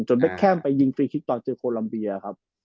จนเบ็ดแค้นไปยิงฟิลทิคตอนเจอโคลอัมเบียร์ครับ